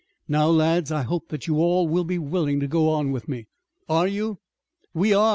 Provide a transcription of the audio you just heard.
Now, lads, I hope that you all will be willing to go on with me. Are you?" "We are!"